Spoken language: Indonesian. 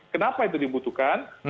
kenapa itu dibutuhkan